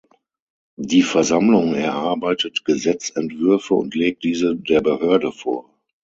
Die Versammlung erarbeitet Gesetzentwürfe und legt diese der Behörde vor.